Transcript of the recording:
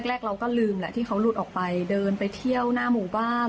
แรกเราก็ลืมแหละที่เขาหลุดออกไปเดินไปเที่ยวหน้าหมู่บ้าน